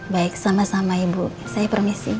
baik sama sama ibu saya permisi